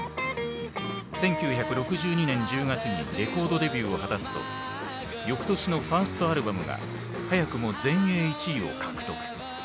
１９６２年１０月にレコードデビューを果たすとよくとしのファーストアルバムが早くも全英１位を獲得。